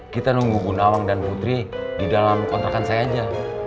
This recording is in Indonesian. kita nunggu gunawang dan putri di dalam kontrakan saya aja